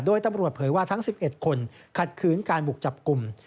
โดยตำรวจเผยว่าทั้ง๑๑คนขัดขืนการบุกจับกลุ่ม